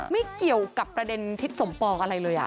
ไม่เกี่ยวกับประเด็นทิศสมปองอะไรเลย